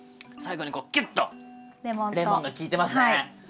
最後にこうきゅっとレモンが利いてますね。